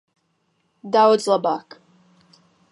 Daudz labāk.